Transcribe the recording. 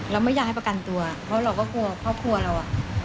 เราไม่อยากให้ประกันตัวเพราะเราก็กลัวครอบครัวเราอ่ะ